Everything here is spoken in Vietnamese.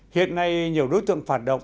hiện nay nhiều đối tượng phản động